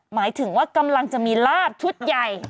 หมายถึงว่ากำลังจะมีลาบชุดใหญ่